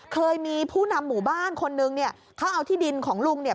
เคยมีผู้นำหมู่บ้านคนนึงเนี่ยเขาเอาที่ดินของลุงเนี่ย